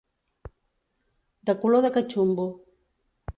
De color de catxumbo.